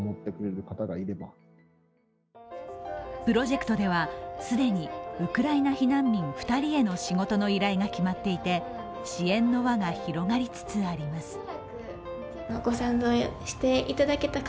プロジェクトでは、既にウクライナ避難民２人への仕事の依頼が決まっていて支援の輪が広がりつつあります。